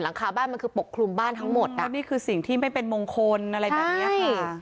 คาบ้านมันคือปกคลุมบ้านทั้งหมดแล้วนี่คือสิ่งที่ไม่เป็นมงคลอะไรแบบนี้ค่ะ